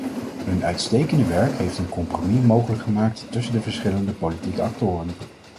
Hun uitstekende werk heeft een compromis mogelijk gemaakt tussen de verschillende politieke actoren.